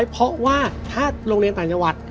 เพราะว่าถ้าโรงเรียนต่างจังหวัด